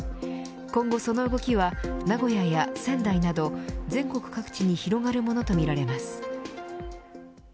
今後その動きは名古屋や仙台など全国各地に広がるものとみられます。